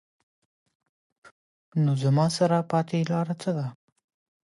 نو زما سره پاتې لار څۀ ده ؟